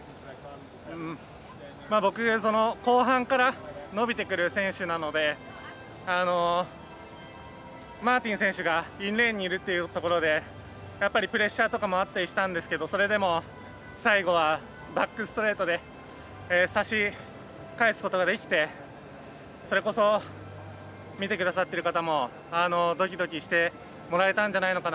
僕、後半から伸びてくる選手なのでマーティン選手がインレーンにいるということでやっぱりプレッシャーとかもあったりしたんですけどそれでも最後はバックストレートで差し返すことができてそれこそ見てくださっている方もドキドキしてもらえたんじゃないのかな